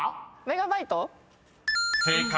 「メガバイト」？